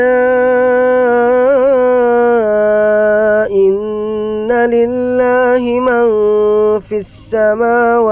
ada beberapa pen khaps berwujud